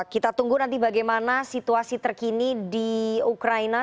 kita tunggu nanti bagaimana situasi terkini di ukraina